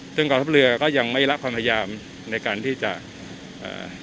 ซึ่งกองทัพเรือก็ยังไม่ละความพยายามในการที่จะอ่า